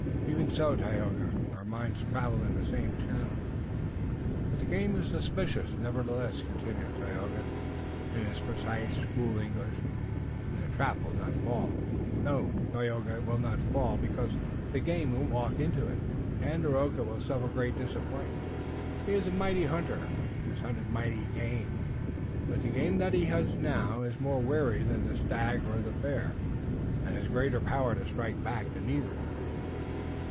"Even so, Tayoga. Our minds travel in the same channel." "But the game is suspicious, nevertheless," continued Tayoga in his precise school English, "and the trap will not fall." "No, Tayoga, it won't fall, because the game won't walk into it." "Tandakora will suffer great disappointment. He is a mighty hunter and he has hunted mighty game, but the game that he hunts now is more wary than the stag or the bear, and has greater power to strike back than either."